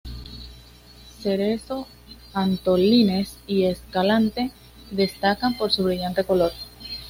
Cerezo, Antolínez y Escalante destacan por su brillante color.